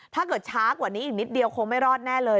ถ้าเกิดช้ากว่านี้อีกนิดเดียวคงไม่รอดแน่เลย